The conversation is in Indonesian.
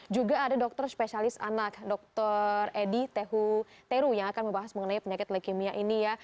juga ada dokter spesialis anak dokter edi tehu teru yang akan membahas mengenai penyakit leukemia ini ya